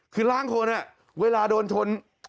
คือล้างคนเวลาโดนชน